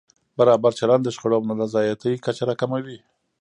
برابر چلند د شخړو او نارضایتۍ کچه راکموي.